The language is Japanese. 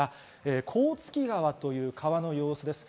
甲突川という川の様子です。